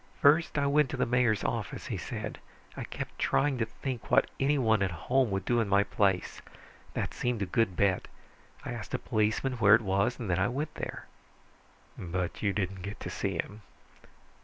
"First, I went to the mayor's office," he said. "I kept trying to think what anyone at home would do in my place. That seemed a good bet. I asked a policeman where it was, and then I went there." "But you didn't get to see him."